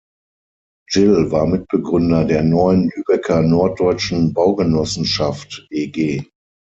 Gille war Mitbegründer der "Neuen Lübecker Norddeutschen Baugenossenschaft eG".